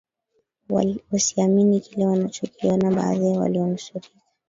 wasiamini kile wanachokiona baadhi ya walionusurika